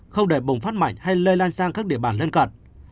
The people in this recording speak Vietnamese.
không để bùng phát mạnh hay lây lan sang các địa bàn lân cận